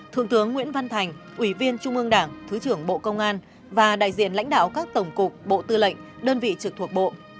thượng tướng nguyễn văn thành ủy viên trung ương đảng thứ trưởng bộ công an và đại diện lãnh đạo các tổng cục bộ tư lệnh đơn vị trực thuộc bộ